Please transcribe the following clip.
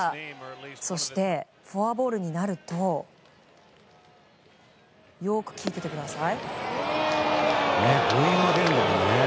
そして、フォアボールになるとよく聞いていてください。